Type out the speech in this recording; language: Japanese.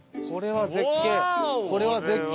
これは絶景。